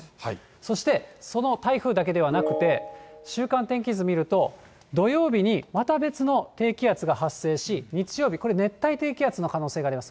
そして、その台風だけではなくて、週間天気図見ると、土曜日にまた別の低気圧が発生し、日曜日、これ、熱帯低気圧の可能性があります。